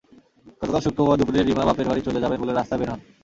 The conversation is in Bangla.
গতকাল শুক্রবার দুপুরে রিমা বাপের বাড়ি চলে যাবেন বলে রাস্তায় বের হন।